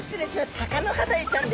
タカノハダイちゃんです。